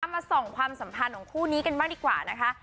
มาส่องความสัมพันธ์ของคู่นี้กันบ้างดีกว่านะคะ